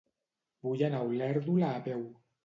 Vull anar a Olèrdola a peu.